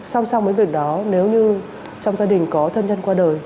song song với việc đó nếu như trong gia đình có thân nhân qua đời